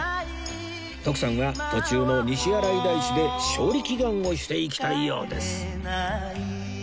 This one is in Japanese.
徳さんは途中の西新井大師で勝利祈願をしていきたいようです